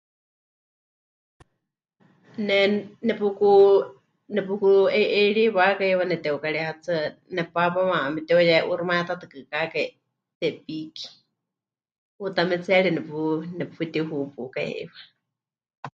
Ne nepuku... nepuku'e'eiriwákai heiwa neteukari hetsɨa, nepaapáma memɨte'uye'uuximayátatɨkɨkakai Tepiki, huutametseeri nepu... neputihupukai heiwa.